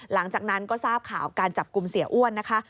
หลังจากนั้นก็ทราบข่าวการจับกลุ่มเสียอ้วนนะคะ